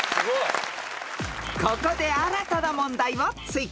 ［ここで新たな問題を追加］